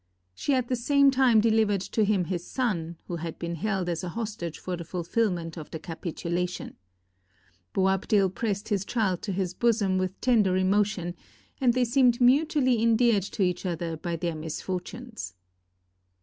She at the same time delivered to him his son, who had been held as a hostage for the fulfillment of the capitulation, Boabdil pressed his child to his bosom with tender emotion, and they seemed mutually en deared to each other by their misfortunes.